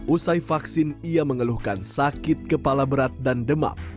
usai vaksin ia mengeluhkan sakit kepala berat dan demam